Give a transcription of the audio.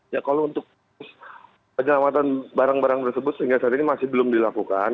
ya kalau untuk penyelamatan barang barang tersebut sehingga saat ini masih belum dilakukan